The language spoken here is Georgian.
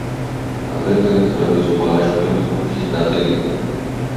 ადრინდელი ძმები ზუბალაშვილების ქუჩის ნაწილი.